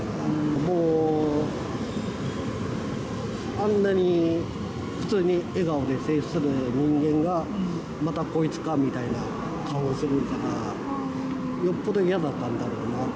もう、あんなに普通に笑顔で接する人間が、またこいつかみたいな顔するから、よっぽど嫌だったんだろうなと。